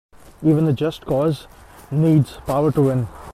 Even a just cause needs power to win.